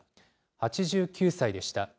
８９歳でした。